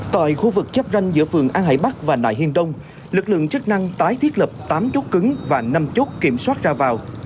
tại khu vực chắp ranh giữa phường an hải bắc và nại hiên đông lực lượng chức năng tái thiết lập tám chốt cứng và năm chốt kiểm soát ra vào